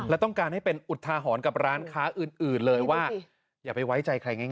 และต้องการให้เป็นอุทาหรณ์กับร้านค้าอื่นเลยว่าอย่าไปไว้ใจใครง่าย